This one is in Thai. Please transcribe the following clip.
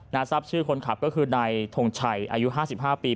ทรัพย์ชื่อคนขับก็คือนายทงชัยอายุ๕๕ปี